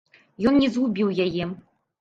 Ён не згубіў яе.